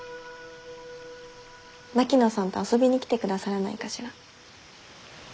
槙野さんと遊びに来てくださらないかしら？